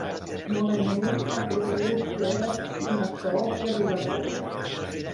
Moreneta que deu ser una còpia de la bona.